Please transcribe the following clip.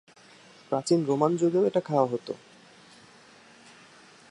প্রাচীন রোমান যুগেও এটা খাওয়া হত।